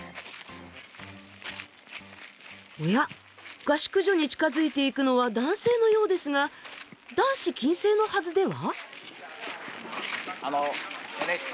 おや合宿所に近づいていくのは男性のようですが男子禁制のはずでは？